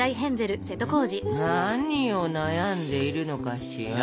何を悩んでいるのかしら？